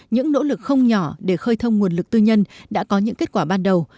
những nỗ lực không nhỏ để khơi thông nguồn lực tư nhân đã có những kết quả ban đầu